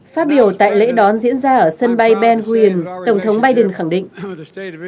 phát biểu tại lễ đón diễn ra ở sân bay ben green tổng thống biden khẳng định